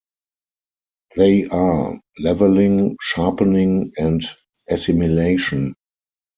They are: "leveling", "sharpening", and "assimilation".